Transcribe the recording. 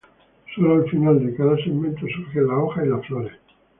Sólo al final de cada segmento surgen las hojas y las flores.